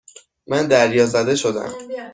من دریازده شدهام.